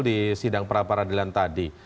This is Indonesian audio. di sidang peraparadilan tadi